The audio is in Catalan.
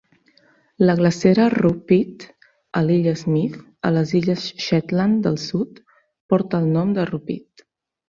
La glacera Rupite a l'Illa Smith, a les Illes Shetland del Sud, porta el nom de Rupite.